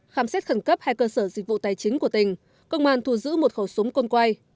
khám xét khẩn cấp hai cơ sở dịch vụ tài chính của tỉnh công an thu giữ một khẩu súng côn quay